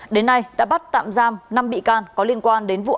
đến nay đã bắt tạm giam năm bị can có liên quan đến vụ án